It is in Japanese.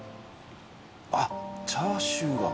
あっチャーシューが。